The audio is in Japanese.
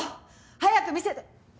早く見せて。